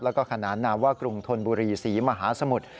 แล้วก็ขนานนามว่ากรุงธนบุรีศรีมหาสมุทร